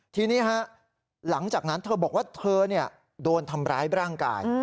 ทีนี้หลังจากนั้นเธอบอกว่าเธอโดนทำร้ายร่างกาย